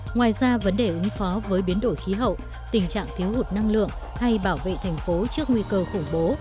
ngoài ra vấn đề ứng phó với biến đổi khí hậu tình trạng thiếu hụt năng lượng hay bảo vệ thành phố trước nguy cơ khủng bố